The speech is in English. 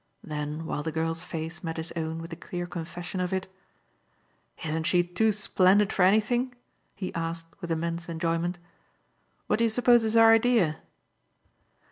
Then while the girl's face met his own with the clear confession of it: "Isn't she too splendid for anything?" he asked with immense enjoyment. "What do you suppose is her idea?"